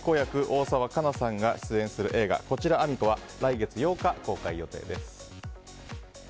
大沢一菜さんが出演する映画「こちらあみ子」は来月８日公開予定です。